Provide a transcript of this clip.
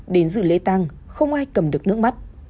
đến dự lễ tăng không ai cầm được nước mắt